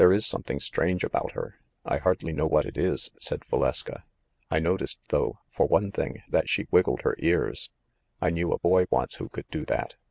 "There is something strange about her ‚ÄĒ I hardly know what it is," said Valeska. "I noticed, though, for one thing, that she wiggled her ears. I knew a boy once who could do that.